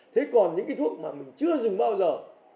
thế còn những cái thuốc mà mình chưa dùng bao giờ